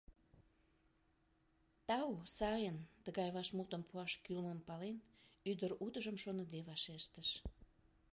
— Тау, сайын, — тыгай вашмутым пуаш кӱлмым пален, ӱдыр утыжым шоныде вашештыш.